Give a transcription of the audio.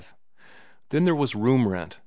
Then there was room rent, $2.